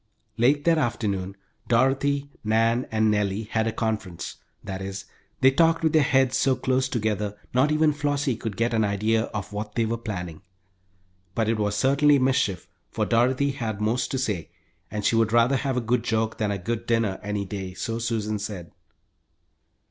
Late that afternoon Dorothy, Nan, and Nellie had a conference: that is, they talked with their heads so close together not even Flossie could get an idea of what they were planning. But it was certainly mischief, for Dorothy had most to say, and she would rather have a good joke than a good dinner any day, so Susan said.